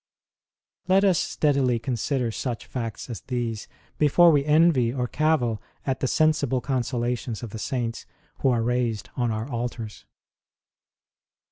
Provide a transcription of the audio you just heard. Let us steadily consider such facts as these before we envy or cavil at the sensible consola tions of the Saints who are raised on our altars.